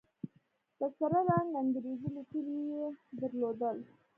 په سره رنگ انګريزي ليکل يې درلودل.